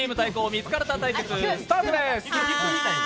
ミツカルタ対決スタートです。